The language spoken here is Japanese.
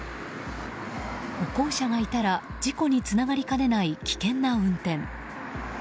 歩行者がいたら事故につながりかねない危険な運転。